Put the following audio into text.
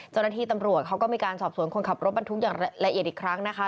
เจ้าหน้าที่ตำรวจเขาก็มีการสอบสวนคนขับรถบรรทุกอย่างละเอียดอีกครั้งนะคะ